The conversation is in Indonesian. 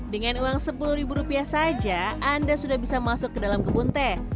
dengan uang sepuluh ribu rupiah saja anda sudah bisa masuk ke dalam kebun teh